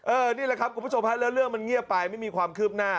นี่แหละครับคุณผู้ชมฮะแล้วเรื่องมันเงียบไปไม่มีความคืบหน้า